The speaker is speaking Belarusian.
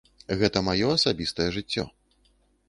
Гэта маё асабістае жыццё.